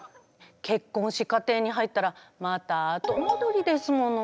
結婚し家庭に入ったらまた後戻りですもの。